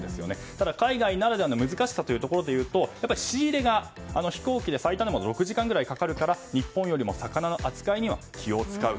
ただ海外ならではの難ししさだとやっぱり仕入れが、飛行機で最短でも６時間くらいかかるから日本より魚の扱いに気を使う。